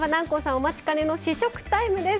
お待ちかねの試食タイムです。